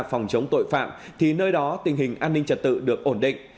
phòng chống tội phạm thì nơi đó tình hình an ninh trật tự được ổn định